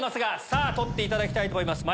さぁ取っていただきたいと思います。